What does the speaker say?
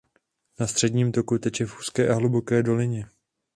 Na středním toku teče v úzké a hluboké dolině.